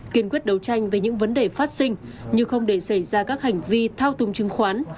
kiên quyết đấu tranh về những vấn đề phát sinh như không để xảy ra các hành vi thao tùng chứng khoán